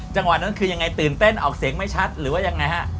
จังหวะนั้นคือยังไงตื่นเต้นออกเสียงไม่ชัดหรือว่ายังไงฮะ